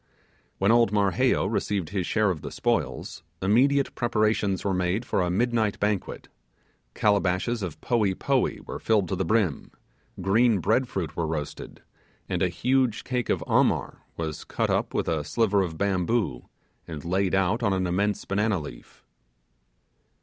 When old Marheyo received his share of the spoils, immediate preparations were made for a midnight banquet; calabashes of poee poee were filled to the brim; green bread fruit were roasted; and a huge cake of 'amar' was cut up with a sliver of bamboo and laid out on an immense banana leaf.